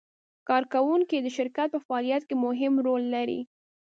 کارکوونکي د شرکت په فعالیت کې مهم رول لري.